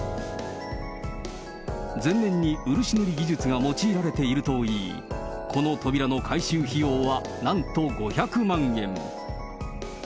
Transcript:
全面に漆塗り技術が用いられているといい、この扉の改修費用はなんと５００万円。